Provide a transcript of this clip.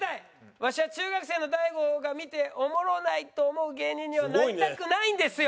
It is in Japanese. わしは中学生の大悟が見ておもろないと思う芸人にはなりたくないんですよ。